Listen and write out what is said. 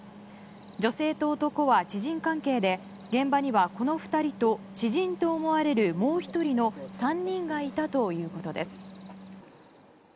女性と男は知人関係で現場にはこの２人と知人と思われるもう１人の３人がいたということです。